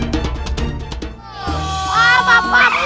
wah pak pak pak pak